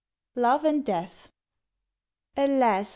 LOVE AND DEATH. Alas!